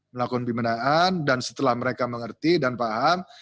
melakukan pembinaan dan setelah mereka mengerti dan paham